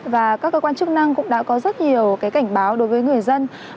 và các cơ quan chức năng cũng đã có rất nhiều cảnh báo đối với người dân